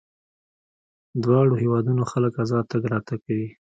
دواړو هېوادونو خلک ازاد تګ راتګ کوي.